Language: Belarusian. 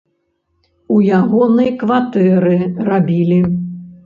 У ягонай кватэры рабілі.